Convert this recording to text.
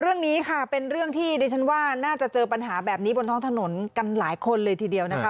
เรื่องนี้ค่ะเป็นเรื่องที่ดิฉันว่าน่าจะเจอปัญหาแบบนี้บนท้องถนนกันหลายคนเลยทีเดียวนะคะ